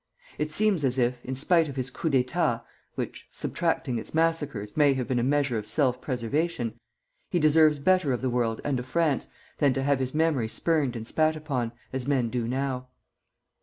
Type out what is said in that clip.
It seems as if, in spite of his coup d'état (which, subtracting its massacres, may have been a measure of self preservation), he deserves better of the world and of France than to have his memory spurned and spat upon, as men do now.